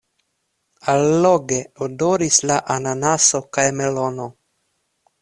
Alloge odoris la ananaso kaj melono.